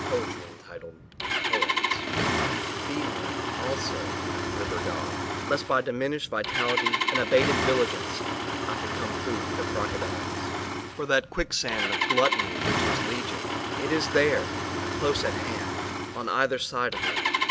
POEMS BY MARIANNE MOORE FEED ME, ALSO, RIVER GOD, left by diminished vitality and abated vigilance, I become food for crocodiles for that quicksand of gluttony which is legion. It is there close at hand on either side of me.